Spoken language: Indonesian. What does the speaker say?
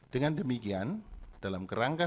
dengan demikian dalam kerangka